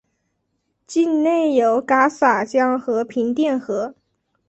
境内有戛洒江和平甸河。